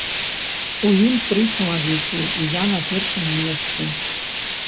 У ім тры чалавекі, і я на першым месцы.